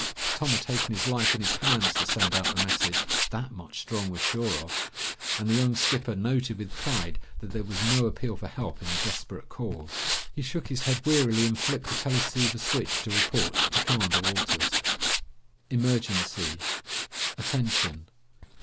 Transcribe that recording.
Tom had taken his life in his hands to send out the message, that much Strong was sure of! And the young skipper noted with pride that there was no appeal for help in the desperate call. He shook his head wearily and flipped the teleceiver switch to report to Commander Walters. "Emergency ... attention...."